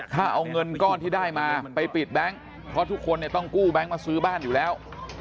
ถ้าเอาเงินก้อนที่ได้มาไปปิดแบงค์เพราะทุกคนเนี่ยต้องกู้แบงค์มาซื้อบ้านอยู่แล้ว